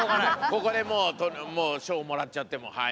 ここでもう書をもらっちゃってもはい。